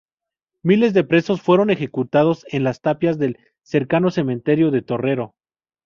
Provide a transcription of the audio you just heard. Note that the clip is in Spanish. Miles de presos fueron ejecutados en las tapias del cercano cementerio de Torrero.